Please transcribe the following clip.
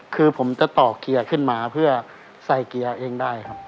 คือผมจะต่อเกียร์ขึ้นมาเพื่อใส่เกียร์เองได้ครับ